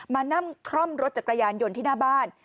มานั่งคล่อมรถจักรยานยนต์ที่หน้าบ้าน